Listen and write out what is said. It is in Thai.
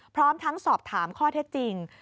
พร้อมทั้งสอบถามข้อเท็จจริง